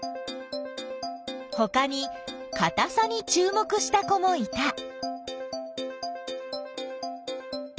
ほかにかたさにちゅう目した子もいた。